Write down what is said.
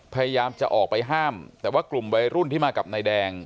พยายามจะออกไปห้ามแต่ว่ากลุ่มวัยรุ่นที่มากับนายแดง